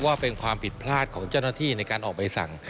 ว่าเป็นความผิดพลาดของเจ้าหน้าที่ในการออกใบสั่ง